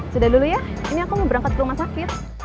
sudah dulu ya ini aku mau berangkat ke rumah sakit